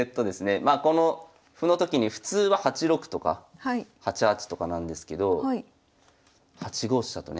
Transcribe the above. まあこの歩のときに普通は８六とか８八とかなんですけど８五飛車とね。